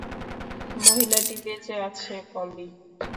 মহিলাটি বেঁচে আছে, পলি।